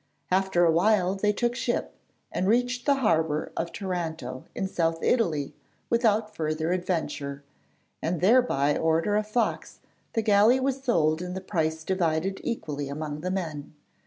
After a while they took ship, and reached the harbour of Taranto in south Italy without further adventure, and there by order of Fox the galley was sold and the price divided equally among the men.